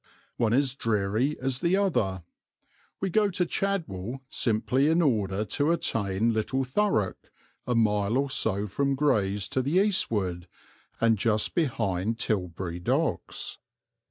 One is dreary as the other. We go to Chadwell simply in order to attain Little Thurrock, a mile or so from Grays to the eastward, and just behind Tilbury Docks.